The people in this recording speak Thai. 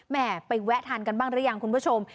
แม่ไปแวะทานกันบ้างหรือยังคุณผู้ชม